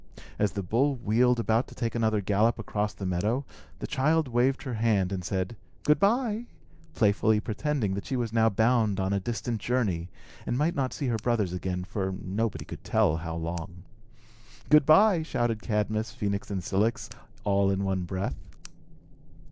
As the bull wheeled about to take another gallop across the meadow, the child waved her hand, and said, "Good by," playfully pretending that she was now bound on a distant journey, and might not see her brothers again for nobody could tell how long. "Good by," shouted Cadmus, Phœnix, and Cilix, all in one breath.